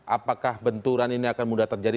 apakah benturan ini akan mudah terjadi